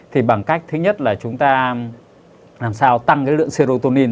thì bằng cách thứ nhất là chúng ta làm sao tăng cái lượng siêuin